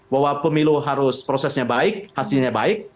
bahwa pemilu harus prosesnya baik hasilnya baik